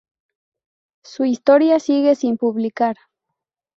Su historia sigue sin publicar.